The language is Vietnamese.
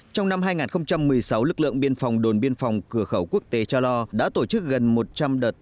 trong năm hai nghìn một mươi sáu lực lượng biên phòng đồn biên phòng cửa khẩu quốc tế cha lo đã tổ chức gần một trăm linh đợt